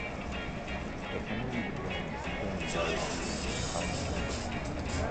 The Japanese then turned directly to China.